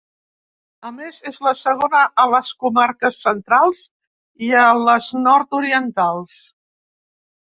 A més, és la segona a les comarques centrals i a les nord-orientals.